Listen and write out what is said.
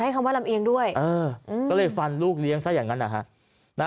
ก็เลยฟันลูกเลี้ยงซะอย่างนั้น